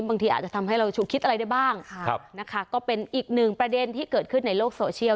บางทีอาจจะทำให้เราฉุกคิดอะไรได้บ้างนะคะก็เป็นอีกหนึ่งประเด็นที่เกิดขึ้นในโลกโซเชียล